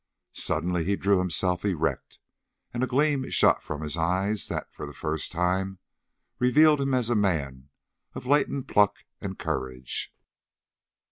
Suddenly he drew himself erect, and a gleam shot from his eyes that, for the first time, revealed him as a man of latent pluck and courage.